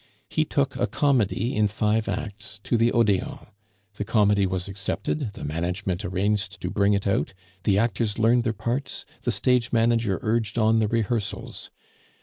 He took a comedy in five acts to the Odeon; the comedy was accepted, the management arranged to bring it out, the actors learned their parts, the stage manager urged on the rehearsals.